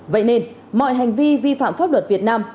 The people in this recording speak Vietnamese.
vậy nên mọi hành vi vi phạm pháp luật việt nam